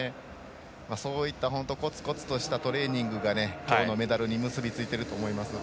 そういったコツコツとしたトレーニングが今日のメダルに結びついていると思います。